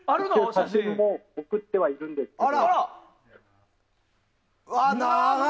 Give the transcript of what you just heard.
写真も送ってはいるんですけど。